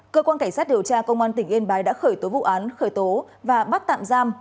cơ quan cảnh sát điều tra công an tỉnh yên bái đã khởi tố vụ án khởi tố và bắt tạm giam